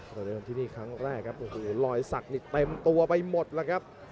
มาไปที่นี่ครั้งแรกครับโหลอยสักนิดเต็มตัวไปหมดล่ะครับ